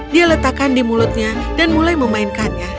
dia letakkan di mulutnya dan mulai memainkannya